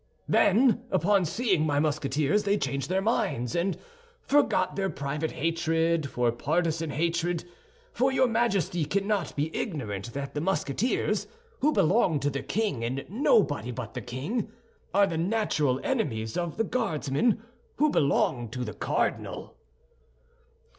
"Then, upon seeing my Musketeers they changed their minds, and forgot their private hatred for partisan hatred; for your Majesty cannot be ignorant that the Musketeers, who belong to the king and nobody but the king, are the natural enemies of the Guardsmen, who belong to the cardinal."